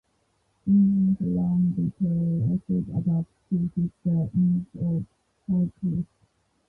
Businesses along the trail also adapt to fit the needs of cyclists.